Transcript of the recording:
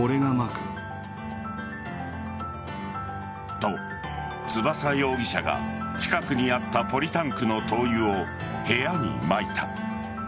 と、翼容疑者が近くにあったポリタンクの灯油を部屋にまいた。